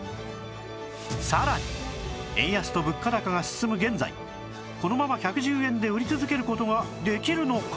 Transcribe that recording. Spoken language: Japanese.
さらに円安と物価高が進む現在このまま１１０円で売り続ける事ができるのか？